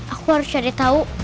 aku harus cari tau